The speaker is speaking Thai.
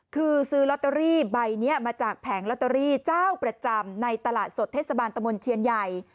คือซื้อลอตเตอรี่ใบนี้มาจากแผงลอตเตอรี่เจ้าประจำในตลาดสดเทศบาลตะมนต์เชียนใหญ่